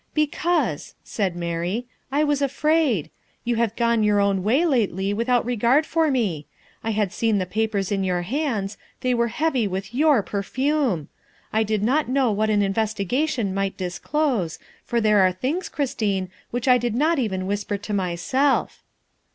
" Because," said Mary, " I was afraid. You have gone your own way lately without regard for me. I had seen the papers in your hands; they were heavy with your perfume. I did not know what an investigation might disclose, for there are things, Christine, which I did not even whisper to myself.